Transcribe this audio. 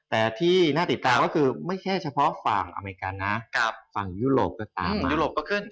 แต่ที่น่าติดตามก็คือไม่ใช่เฉพาะฝั่งอเมริกันนะฝั่งยุโรปก็ตามยุโรปก็ขึ้น